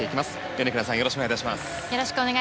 米倉さんよろしくお願いいたします。